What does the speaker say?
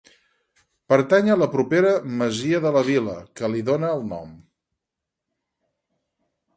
Pertany a la propera masia de la Vila, que li dóna el nom.